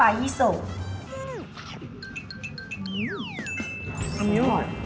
อันนี้อร่อย